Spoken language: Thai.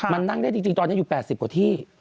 มันนั่งได้จริงตอนนี้อยู่๘๐กว่าที่